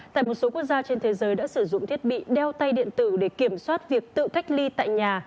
tại một số quốc gia trên thế giới đã sử dụng thiết bị đeo tay điện tử để kiểm soát việc tự cách ly tại nhà